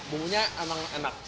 bungunya emang enak